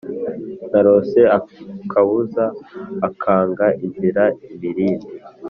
narose akabuza akanga inzira imirindi